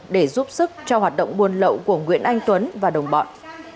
để giúp sức cho hoạt động buôn lậu của nguyễn anh tuấn và đồng bọn